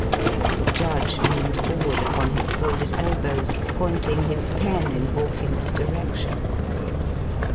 The judge leaned forward upon his folded elbows, pointing his pen in Borkins's direction.